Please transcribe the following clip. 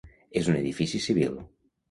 És un edifici civil.